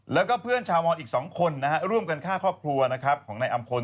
แล้วก็เพื่อนชาวมอนอีก๒คนร่วมกันฆ่าครอบครัวนะครับของนายอำพล